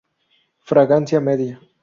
Fragancia media.